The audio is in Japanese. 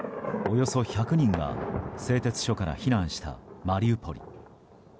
およそ１００人が製鉄所から避難したマリウポリ。